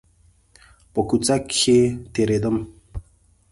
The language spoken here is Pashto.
په کوڅه کښې تېرېدم .